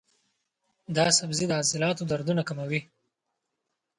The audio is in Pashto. دا سبزی د عضلاتو دردونه کموي.